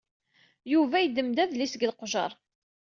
Yuba yeddem-d adlis seg leqjer.